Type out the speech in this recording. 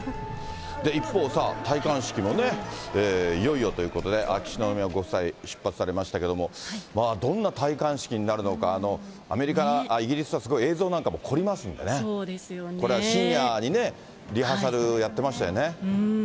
一方、戴冠式もいよいよということで、秋篠宮ご夫妻、出発されましたけれども、どんな戴冠式になるのか、イギリスはすごい映像なんかも凝りますんでね、これは深夜にリハーサルやってました